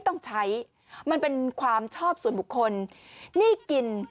กินให้ดูเลยค่ะว่ามันปลอดภัย